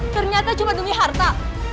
ternyata cuma demi harta